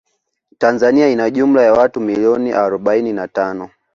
Tanzania ina jumla ya watu milioni arobaini na tano